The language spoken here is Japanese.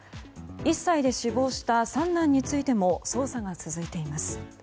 １歳で死亡した三男についても捜査が続いています。